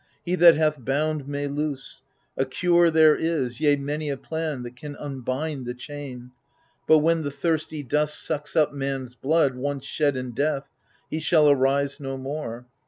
He that hath bound may loose : a cure there is, Yea, many a plan that can unbind the chain. But when the thirsty dust sucks up man's blood Once shed in death, he shall arise no more.